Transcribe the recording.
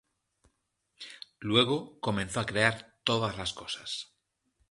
Luego, comenzó a crear todas las cosas.